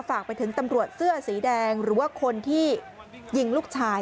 ฝากไปถึงตำรวจเสื้อสีแดงหรือว่าคนที่ยิงลูกชาย